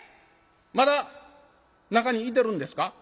まだ中にいてるんですか？